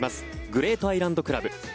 グレートアイランド倶楽部。